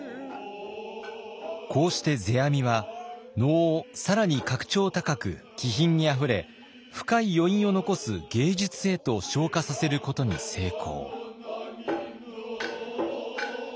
こうして世阿弥は能を更に格調高く気品にあふれ深い余韻を残す芸術へと昇華させることに成功。